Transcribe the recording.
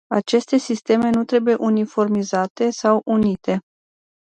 Aceste sisteme nu trebuie uniformizate sau unite.